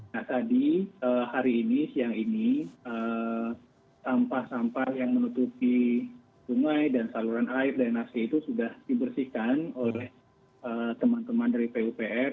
nah tadi hari ini siang ini sampah sampah yang menutupi sungai dan saluran air dan nasi itu sudah dibersihkan oleh teman teman dari pupr